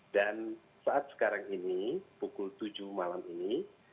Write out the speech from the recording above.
dan saat sekarang ini pukul tujuh malam ini